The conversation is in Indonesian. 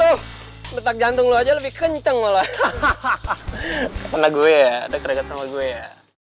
hahaha betak jantung lo aja lebih kenceng malah hahaha karena gue ada kreket sama gue ya